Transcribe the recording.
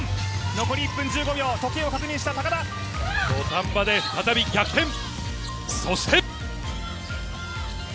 残り１分１５秒、時計を確認した土壇場で再び逆転、そして。